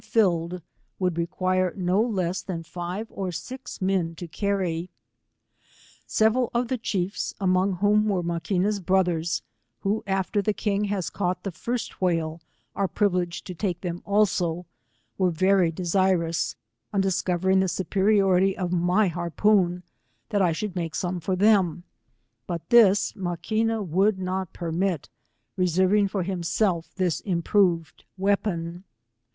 filled, would require no less (haa five or six men to carry. Several of the chiefs, among whom were Maquina^s brothers, who after the king has caught the first whale, are privileged to take them also, were very desirous, on discovering the superiority of my liarpoon, that I should make some for them, but this Maquina would not permit, reserving for himself this improved weapon.